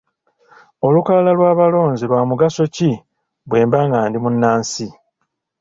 Olukalala lw'abalonzi lwa mugaso ki bwe mba nga ndi munnansi?